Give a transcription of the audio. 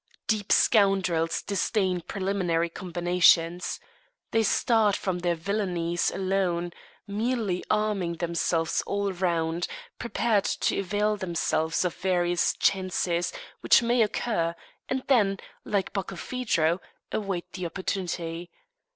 Deep scoundrels disdain preliminary combinations. They start from their villainies alone, merely arming themselves all round, prepared to avail themselves of various chances which may occur, and then, like Barkilphedro, await the opportunity.